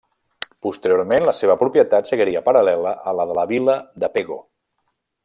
Posteriorment la seua propietat seguiria paral·lela a la de la vila de Pego.